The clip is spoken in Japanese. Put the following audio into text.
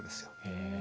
へえ。